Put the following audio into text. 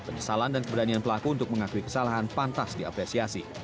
penyesalan dan keberanian pelaku untuk mengakui kesalahan pantas diapresiasi